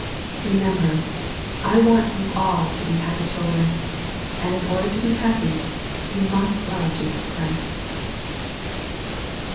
Remember, I want you all to be happy children, and in order to be happy you must love Jesus Christ.